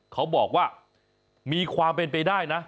เขาบอกว่ามีความเป็นไปได้นะ